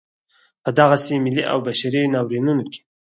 په دغسې ملي او بشري ناورینونو کې.